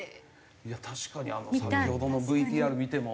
確かに先ほどのＶＴＲ見ても。